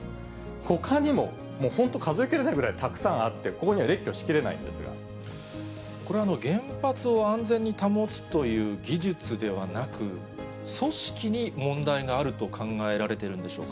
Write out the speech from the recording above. ほかにも、本当、数え切れないぐらいたくさんあって、ここには列挙しきれないんでこれは、原発を安全に保つという技術ではなく、組織に問題があると考えられてるんでしょうか。